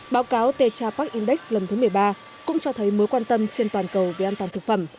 báo cáo tetra park index lần thứ một mươi ba cũng cho thấy mối quan tâm trên toàn cầu về an toàn thực phẩm